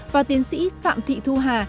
và tiến sĩ phạm thị thu hà